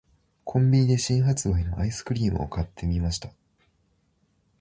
•コンビニで新発売のアイスクリームを買ってみました。